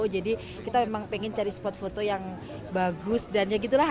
jadi kita memang pengen cari spot foto yang bagus dan ya gitu lah